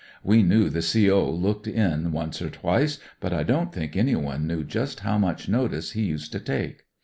We knew the CO. looked in once or twice, but I don't think anyone knew just how much notice he used to take.